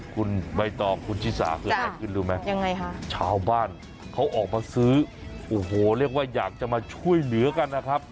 คุณใบตองคุณชิสาเกิดอะไรขึ้นรู้ไหมยังไงคะชาวบ้านเขาออกมาซื้อโอ้โหเรียกว่าอยากจะมาช่วยเหลือกันนะครับ